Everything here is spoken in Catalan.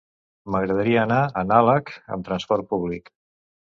M'agradaria anar a Nalec amb trasport públic.